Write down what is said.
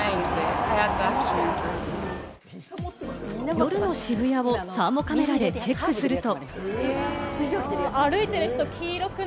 夜の渋谷をサーモカメラでチェックすると。